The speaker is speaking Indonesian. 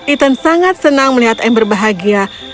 ethan sangat senang melihat amber bahagia